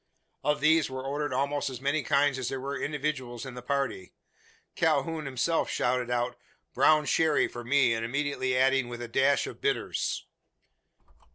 Of these were ordered almost as many kinds as there were individuals in the party; Calhoun himself shouting out "Brown sherry for me;" and immediately adding "with a dash of bitters."